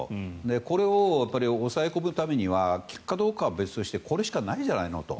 これを抑え込むためには効くかどうかは別としてこれしかないじゃないのと。